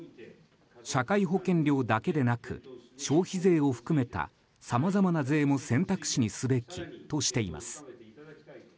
社会保険料だけでなく消費税を含めたさまざまな税も選択肢にすべきとしています。